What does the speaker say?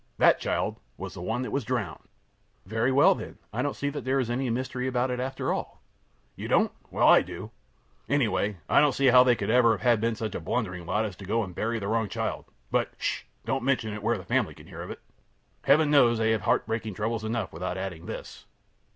That child was the one that was drowned! Q. Very well, then, I don't see that there is any mystery about it, after all. A. You don't? Well, I do. Anyway, I don't see how they could ever have been such a blundering lot as to go and bury the wrong child. But, 'sh! don't mention it where the family can hear of it. Heaven knows they have heartbreaking troubles enough without adding this.